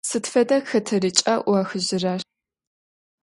Сыд фэдэ хэтэрыкӏа ӏуахыжьырэр?